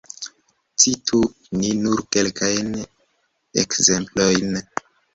Citu ni nur kelkajn ekzemplojn.